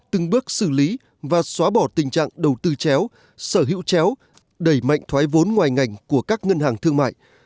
từng bước xử lý và xóa bỏ tình trạng đầu tư chéo sở hữu chéo đẩy mạnh thoái vốn ngoài ngành của các ngân hàng thương mại